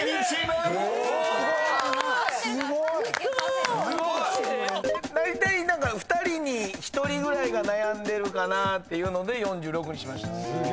だいたい２人に１人ぐらいが悩んでるかなっていうので４６にしました。